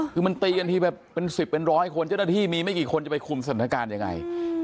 คือมันตีกันทีแบบเป็น๑๐เป็นร้อยคนเจ้าหน้าที่มีไม่กี่คนจะไปคุมสถานการณ์ยังไง